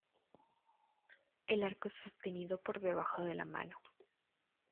El arco es sostenido por debajo de la mano.